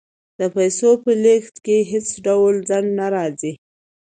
د پیسو په لیږد کې هیڅ ډول ځنډ نه راځي.